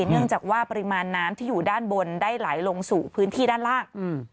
เนื่องจากว่าปริมาณน้ำที่อยู่ด้านบนได้ไหลลงสู่พื้นที่ด้านล่าง